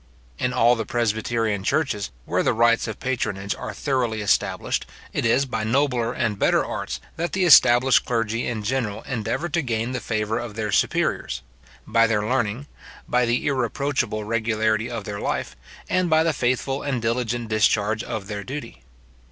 In all the presbyterian churches, where the rights of patronage are thoroughly established, it is by nobler and better arts, that the established clergy in general endeavour to gain the favour of their superiors; by their learning, by the irreproachable regularity of their life, and by the faithful and diligent discharge of their duty.